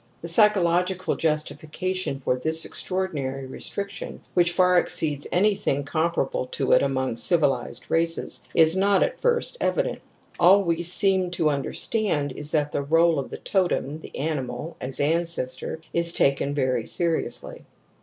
The psychological justification for this extra ordinary restriction, which far exceeds any thing comparable to it among civilized races, is not, at first, evident. All we seem to under stand is that the r61e of the totem (the animal) as ancestor is taken vpry seriously.